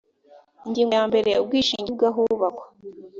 ingingo ya mbere ubwishingizi bw ahubakwa